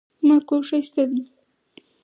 زما کور ښايسته دی